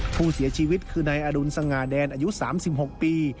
ผู้เสียชีวิตคือนายอดุลสง่าแดนอายุ๓๖ปี